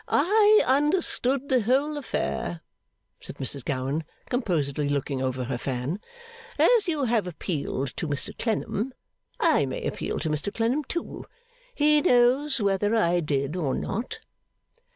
'I understood the whole affair,' said Mrs Gowan, composedly looking over her fan. 'As you have appealed to Mr Clennam, I may appeal to Mr Clennam, too. He knows whether I did or not.